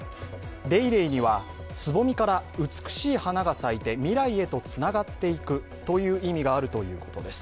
レイレイにはつぼみから美しい花が咲いて未来へとつながっていくという意味があるということです。